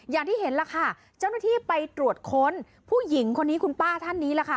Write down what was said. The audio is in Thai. อย่างที่เห็นล่ะค่ะเจ้าหน้าที่ไปตรวจค้นผู้หญิงคนนี้คุณป้าท่านนี้แหละค่ะ